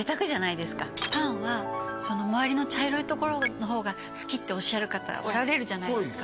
パンはその周りの茶色いところの方が好きっておっしゃる方おられるじゃないですか